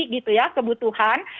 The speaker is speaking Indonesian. gitu ya kebutuhan